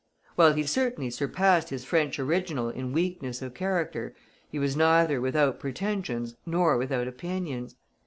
While he certainly surpassed his French original in weakness of character, he was neither without pretensions nor without opinions.